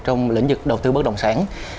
trong lĩnh vực đầu tư bất động sản